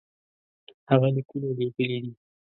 هغه لیکونه لېږلي دي.